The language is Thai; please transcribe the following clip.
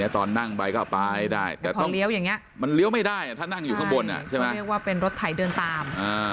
ตอนนั่งไปก็ไปได้แต่เวลานั่งอยู่ข้างบนเรียกว่าเป็นรถไถเดินตาม